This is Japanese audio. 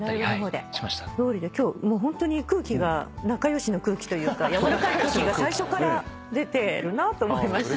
どうりで今日空気が仲良しの空気というかやわらかい空気が最初から出てるなと思いました。